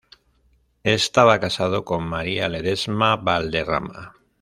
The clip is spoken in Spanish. Estaba casado con María Ledesma Valderrama.